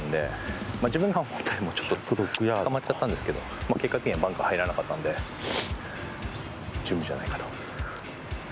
自分のはもうちょっとつかまっちゃったんですけど結果的にはバンカー入らなかったんで十分じゃないかと。